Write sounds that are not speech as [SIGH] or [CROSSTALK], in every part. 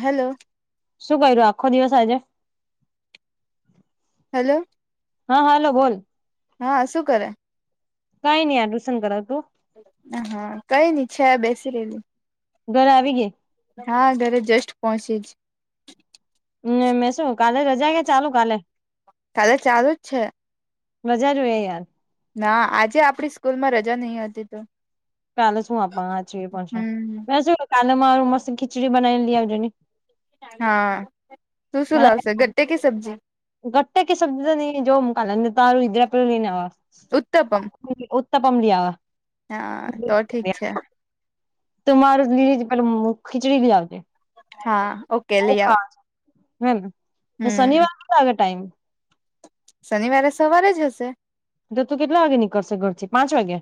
Hello શું કર્યું આખો દિવસ આજે હેલો. હા હલો બોલ હા શું કરે કઈ નહી આ ટુશન કર તું? હા કઈ નની છે. બેસી રહેેલી ઘરે આવી ગય. હા ઘરે જસ્ટ પહોંચી જ હમ મેં શું કાલે રજા ગયા ચાલુ કાલે કાલે ચાલુ જ છે મજા જોય યાર. ના આજે આપડી સ્કૂલ માં રજા નહી હતી તો કાલે શું આપવાના છે પાછા, હમ [UNINTELLIGIBLE] કાલે મારૂ મસ્ત ખીચડી બનાવી ને લઈ આવજ ને હા, તું શું લાવશે ગટે કી સબ્જી? ગટ્ટટે કી સબ્જી નહીં જોઉં હું કાલે, નહી તો ઉત્તપમ [UNINTELLIGIBLE] તપમ લઈ આવા હા, તો ઠીક છે. તો મારું લીલી પે મુ ખીચડી બી લાવજે હા ઓ આવું ખાવા, હમ્મ, ને હમ શનિવાર આવે ટાઈમ શનિવારે સવારે જ હશે જે તું કેટલા વાગે નીકળશે ઘરથી, પાંચ વાગે?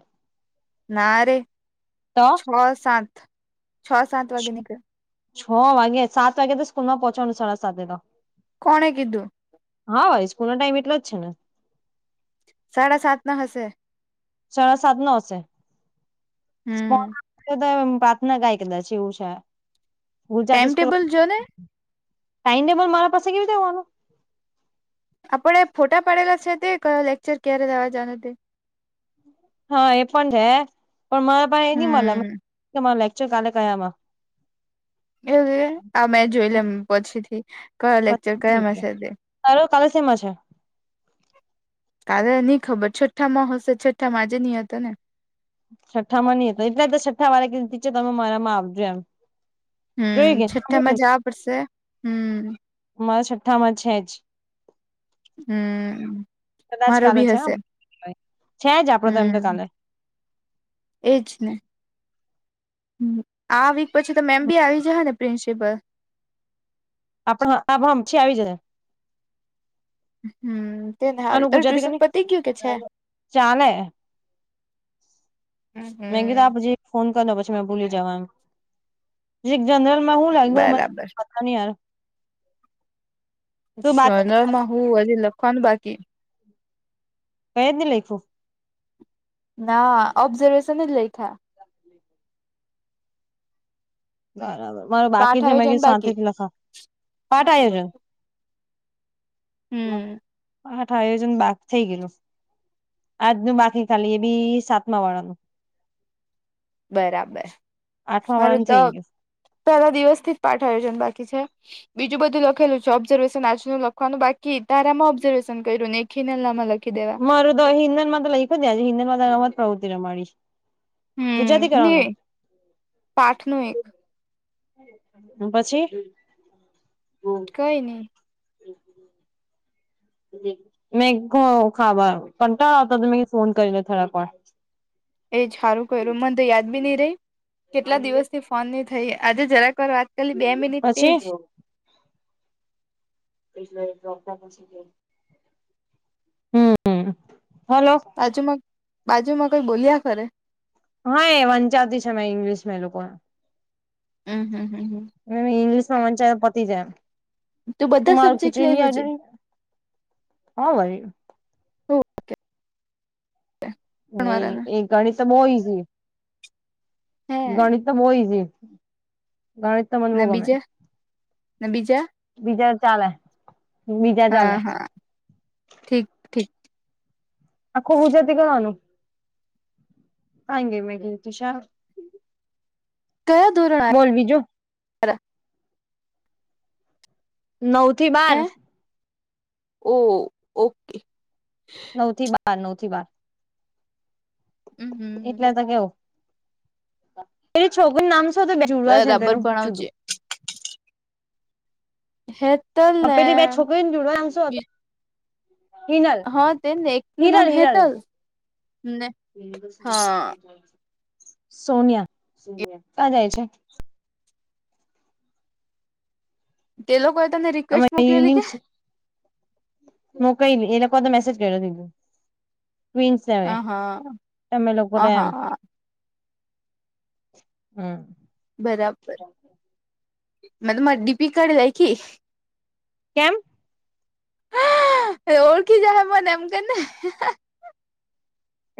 ના રે, તો છ સાત, છ સાત વાગે નીકળ છ વાગે! સાત વાગે તો સ્કૂલ માં પોહોંચવાનું સાડા સાતે તો કોણે કીધું? હા વળી સ્કૂલ નો ટાઈમ એટલો જ છે ને. સાડા સાત ના હશે સાડા સાત નો હશે, હમ [UNINTELLIGIBLE] નાગાય કદાચ એવું છે, ટાઈમ ગુજરાતી સ્કુલ ટેબલ જો ને ટાઈમ ટેબલ મારા પાસે કેવી રીતે હોવાનું? આપડે ફોટા પડેલા છે તે, કયો લેક્ચર ક્યારે રહેવા જવાનું તે હા એ પણ છે, પણ મારા પાહે હમ એ ની મળે, મા લેક્ચર કાલે કયા માં એવું કે, આ મેં જોઈ લેમ પછી થી, કયો લેકચર કયા માં છે તે સારો કાલેસીમાં છે. કાલે ની ખબર છઠ્ઠા માં હશે છઠ્ઠા માં આજે નહ હતો ને છઠ્ઠામાં નીં હતા, એટલે તો છઠ્ઠા વાળા કે કિ ટીચર તમે મારા માં આવજો એમ હમ્મ, જોઈ ગયા છઠ્ઠામાં જવા પડશે, હમ્મ મારા છઠ્ઠા માં છે જ. હમ્મ કદાચ કાલે છે, આમ છે જ આપડો તો એમ તો હમ કાલે એજ ને, આ વીક પછી તો મેમ બી આવી જ હને પ્રિન્સિપલ. આપ [UNINTELLIGIBLE] ચી આવી જહે હમ્મ, તેને હા, આનું તારે ગુજરાતી ટ્યુશન કે પતી ગયું કે છે? ચાલે હમ્મ મેં કીધું હમ્મ આપ પછી ફોન કરને પછી મે ભૂલી જવા, એમ પ જનરલમાં હું લાગ્યું મે બરાબર હની યાર તો બાકી શનર માં હું હજી લખવાનું બાકી, કયજ ની લઈખું. ના ઓબ્ઝરવેેશન જ લયખા. બરાબર, મારે બાકી પાઠ જ મે આયોજન બાકી શાંતિથી લખા, પાઠ આયોજન- હમ હ આયોજન બાકી થઈ ગયેલું આજનું બાકી ખાલી એ બી સાતમા વાળાનું બરાબર. આઠમા મારું વાળાનું તો થઈ પેલા દિવસથી જ પાઠ આયોજન બાકી છે. બીજું બધું લખેલું છે ઓબ્ઝર્વેશન આજનું લખવાનું બાકી તારામાં ઓબ્ઝર્વેશન કર્યું ને ખીનલા મા લખી દેવા. ગયું મારું તો હિન્દન માં તો લઈખ જજ હિન્દન માં રમત પ્રવૃત્તિ રમાડી. હમ ગુજરાતી કરવાનો. નહી પાઠ નું એક પછી કઈની. [UNINTELLIGIBLE] [UNINTELLIGIBLE] [UNINTELLIGIBLE] [UNINTELLIGIBLE] [UNINTELLIGIBLE] [UNINTELLIGIBLE] [UNINTELLIGIBLE] [UNINTELLIGIBLE] એજ હારુ કર્યું મને તો યાદ બી નહ રહી કેટલા દિવસથી ફોન નહી થઈ આજે જરાક વાર વાત. ખાલી બે મિનિટ તે પછી જ, હમમ હલો. બાજુમાં બાજુમાં કઈ બોલ્યા કરે. હા એ વંચાતી છે અમે ઇંગ્લિશ એ લોકોને અ હ હ હ. અને ઇંગ્લિશમાંં વંચાય તો પતી જાય. તું હ બધા [UNINTELLIGIBLE] સબ્જેક્ટ લઈયો ખિચડી છે [UNINTELLIGIBLE] હા વરી. નહ વાળાના એ ગણિત તો બહુ ઈઝી. હે ગણિત તો બો ઈઝી પણ નબીજા નબીજા. બીજા ચાલે, બીજા હા ચાલે હા ઠીક. ઠીક આખો હું જાતી ગવાનું આ એ ગે મેગી તુ શા- કયા ધોરણ બોલ બીજું, નવ થી બાર. ઓ -ઓકે નવ થી બાર નવથી બાર એટલે હમ તો કવ. તરી [UNINTELLIGIBLE] છોકરીનું નામ શું છે. બે જુડવા છે ને ત બરાબર [UNINTELLIGIBLE] જુદું. ભણાવજે હે. પેલી બે છોકરી ને [INAUDIBLE] [INAUDIBLE] જોડ આમ શો હતો હિનલ હા તેને એકનું નામ હિરલ હિરલ, હેતલ ને [INAUDIBLE] હા [UNINTELLIGIBLE] [INAUDIBLE] સોનિયા, સોનિયા ક્યાં જાય છે? તે લોકોએ તમને અમે રિક્વેસ્ટ મોકલેલી કે, મોકાઈ ગઈ, એ લોકો તો મેસેજ કર દીધું. [UNINTELLIGIBLE] હા તમે અ લોકોટ એમ. હા હા. બરાબર. મેતો મારી ડીપી કાઢી લાયખી. કેમ. હ ઓળખી જવા નુ હોય ને એમન કેને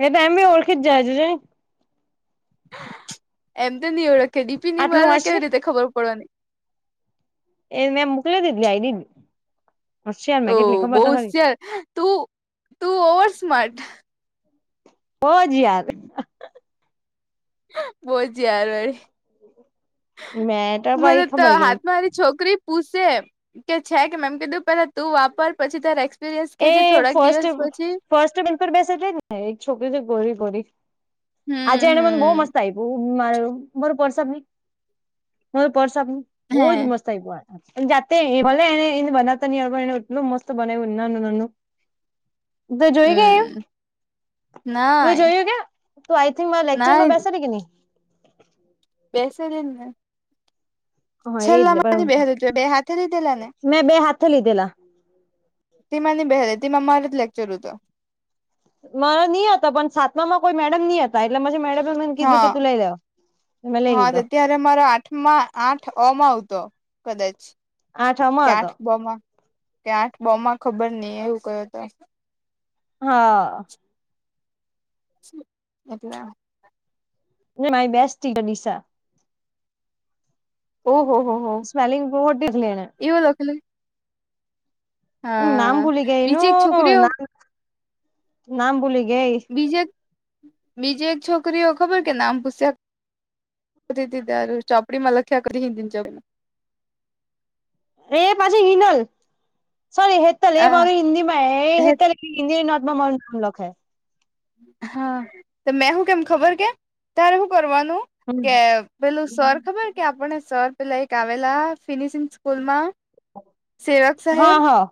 એ તો એમબી ઓળખીજ જહે જોજો ની. એમ તો ની ઓળખીયે, ડીપિ ની મલે આટલું તો કેવી વાંચની રીતે ખબર પડવાની એને મોકલી દીધી આઈડી હોશિયાર ઓ મેં કેટલી બહુ ખબર તો ખરી હોશિયાર, તું તું ઓવર સ્માર્ટ બોજ યાર. બો જ યાર વાળી મેં તો ભાઈ મનેતો ખબર કે નહી હાતમારી છોકરી પૂસે કે છે કે મેમ કીધું પેલા તું વાપર પછી તારા એક્ એક્સપ્રિયન્સ કેજે એ થોડાક ફર્સ્ટ દિવસ પછી ફર્સ્ટ બેન્ચ પર બેસે તેજ ને એક છોકરી ગોરી ગોરી આજે હમ એને મને બહ હમ મસ્ત આપી [UNINTELLIGIBLE] હમ્મ હમ્મ મારું મારું પર્સ આપની, મારું પર્સ આપની હે બહુજ મસ્ત [UNINTELLIGIBLE] જાતે ભલે એ એને એ બનાવતા ની [UNINTELLIGIBLE] એને મસ્ત બનાયવું નાનું નાનું તું જોયુંકે હમ તું એ નાય જોયું કે? તું આઈ થિંક મારા લેક્ચર નાય માં બેસેલી કે ની? બેસેલી જ ને હા એજ ને છેલ્લામા ની પણ બેહેલી તુંએ બે હાથે લીધેલા ને? મેં બે હાથે લીધેલા તેમાં ની બેહેલી તીમાં મારો જ લેક્ચર હુતો. મારો ની હતો પણ સાતમામાં કોઈ મેડમ ની હતા હતા એટલે પછી મેડમે મને કીધું કે હા તું લઈ લે તો મેં લઈ લીધો કે મારો આઠમાં આઠ અ માં હતો કદાચ કે આઠમાં હતો આઠ બ માં કે આઠ બમાં ખબર ની એવું કય હતો હા અટલે મારી બેસ્ટ ટીચર ડીસા ઓ હો હો! સ્મેલિંગ [UNINTELLIGIBLE] એવું લખેલું હોય નામ ભૂલી ગેય બીજી એક છોકરીઓ એનું.... નામ ભૂલી ગેય બીજે બીજે એક છોકરીઓ ખબર કે નામ પુસયા કરાચીથી તારું ચોપડીમા લખ્યા [UNINTELLIGIBLE] એ પાછી હિનલ. સોરી હેતલ એ ચોપડીમાં મારું હિન્દીમાં [UNINTELLIGIBLE] હિન્દીની નોટમાં મારું નામ લખે હા તો મેં હું કેમ ખબર કે? તારે હું કરવાનું કે પેલું સર ખબર કે આપણને સર પેલા એક આવેલા ફિનિશિંગ સ્કૂલમાં હા સેવકસાહેબ હા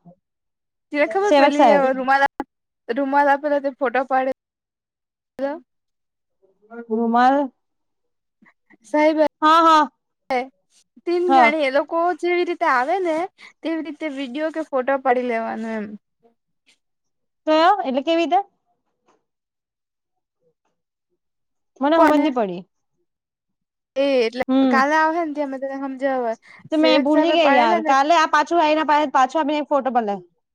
તેરે ખબર સેવક પેલી એ સાહેબ રૂમાલ આ રૂમાલ આપેલો તે ફોટો પાડે [UNINTELLIGIBLE] રૂમાલ સાહેબ હા હા [INAUDIBLE] તીન હા ગણીએ લોકો જેવી રીતે આવે ને તેવી રીતે વિડીયો કે ફોટો પાડી લેવાનું એમ તો એટલે કેવીતે? મને કોને હમજની પડી એ એટલે હમ કાલે આવહે ને ત્યાં મેં તને હમજાવા તો મેં ભૂલી ગેય યાર! કાલે આ પાછું આઈને પાછું આપીને એક ફોટો [UNINTELLIGIBLE]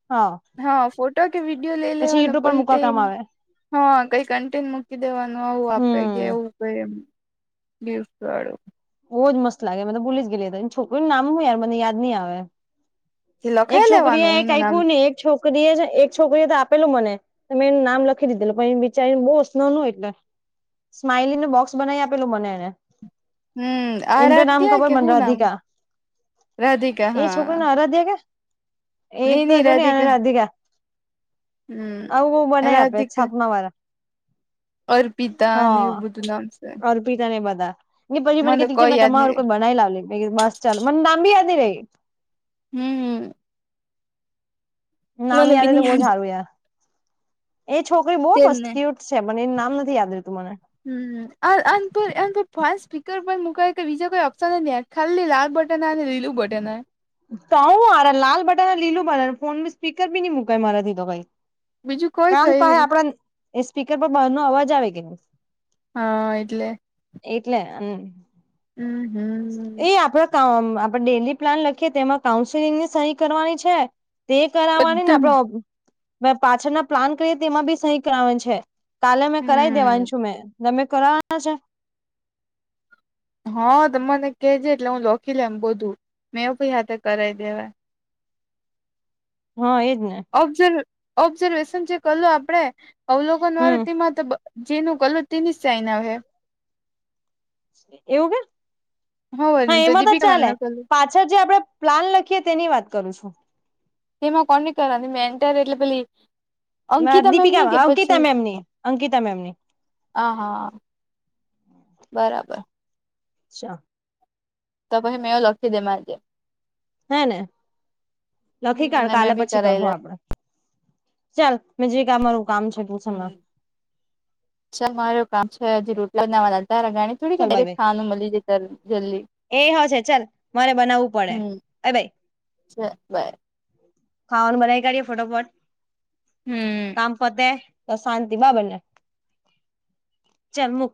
હા ફોટો કે વિડીયો લઇ પછી લેવાનો યુટ્યુબ પર પહિ મૂકવા કઈ કામ આવે હા કંઈ કન્ટીન મૂકી દેવાનું આવું આપે કે હમ એવું [UNINTELLIGIBLE] બોવ જ મસ્ત લાગે મેં તો ભૂલી જ ગેલી એ તો એની છોકરીનું નામ હું યાર મને યાદ ની આવે જે એક લખાઈ છોકરીએ લેવાનું એક એનું નામ આપ્યું ને એક છોકરી જ એક છોકરીએ તો આપેલું મને તો મેં એનું નામ લખી દીધેલું પણ એ બિચારીને બહુ [UNINTELLIGIBLE] એટલે સ્માઈલીનું બોક્સ બનાય આપેલું મને એણે હમ્મ આરાધ્યા કે મને હુ નામ? રાધિકા રાધિકા હા આરાદ્યા કે? એક ની તો ની જો ને એને રાધીકા રાધિકા હમ્મ આવું બહુ બનાવી આપે રાધિકા છાપમાં વાળા અર્પીતા ને એવું બધું નામ સે અી ને બધાને પછી મને ક તી મેં યાદ નહી તમારું રે કોઈ બનાવી લાવ લે બસ ચાલ મને લાઆદી રહી. હમ. નામ મને બી યાદ નહી તો બહુ સારું યાર એ છોકરી બહુ તેજ મસ્ત ને ક્યુટ છે. પણને એનું નામ નથી. યાદ રતું મને હમ ફ સ્પીકર પણ મુાય કે બીજા કોઈ ઓપશન ને ખાલી લાલ બટન અનેને લીલું બટન હ તોું હાર લાલ બટન લીલું બટન ફોન સ્પીકર ભી નઈ મુકાય મારાથી તો કઈ બીજું કોઈ કામ થઈ તો હ નહી આપડા એ સ્પીકર પર બહારનો આવે કે હા. એટલે એટલે હમ હમ હમ. એ આપડે આપડે ડેલી પ્લાન લખીએ, તો એમાં કાઉન્સેલિંગની સહી કરવાની છે. તે કરાવવાની ને બધામાં આપડ પાછળના પ્લાન કરીએ તેમાં બી સહી કરાવવાની છે. કાલે મેં કરાવી દેવાની હમ છું. મેં ગમે કરવાના છે. હા તો મને કેજે એટલે હું લખી લેમ બધું મેં એ પણી હાથે કરાવી દેવા હા એજ ને ઓબ્ઝર્વ ઓબ્ઝર્વેશન જે કલું આપડણે અવલોકન હમ વારૃતિમાં તો જેનું કલર તેની સાઈ ના હ એવું કે હવ હા એમાં તો દીપિકા મેમ ચાલે ન કલું પાચ પાછળ જે આપડે પ્લાન લખીએ તેની વાત કરું છું. એમાં કોને કર મેં એન્ટર એટલે પછલી દીપિકા અંકિતા મેમની હ હા. બરાબર અચ્છા તો પછી મેં એ લખી દે જે આજે હે ને લખી કાઢ હમ મેં કાલે બી પછી કરાઈ લે કરવું આપડે ચાલ મે જે કામરું કામ છો. હ માર કામ છે. હજી રટલા નાગાણી ચાલ થોડીકરે બાય બાય ખાવાનું મળી જાય ત જલ્દી એ હ છે ચાલ મારે બનાવવું પડે અ ભાઈ હ બાય ખાવાનું બનાવી કાઢીએે ફટોફટ હમ કામ પતે તો શાંતિ બાબરને ચાલ મુક